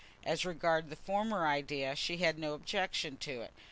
As regarded the former idea, she had no objection to it.